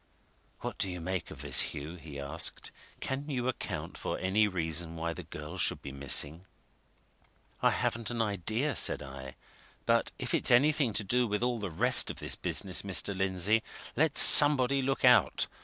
"What do you make of this, Hugh?" he asked. "Can you account for any reason why the girl should be missing?" "I haven't an idea," said I. "But if it's anything to do with all the rest of this business, Mr. Lindsey, let somebody look out!